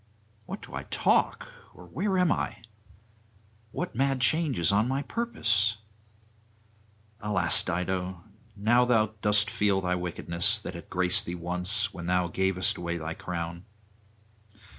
What do I talk? or where am I? what mad change is on my purpose? Alas, Dido! now thou dost feel thy wickedness; that had graced thee once, when thou gavest away thy crown.